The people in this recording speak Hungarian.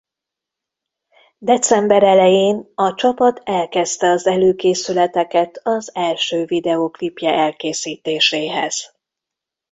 December elején a csapat elkezdte az előkészületeket az első videóklipje elkészítéséhez.